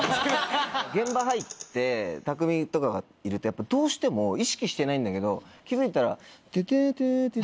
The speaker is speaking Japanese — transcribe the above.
現場入って匠海とかがいるとやっぱどうしても意識してないんだけど気付いたら。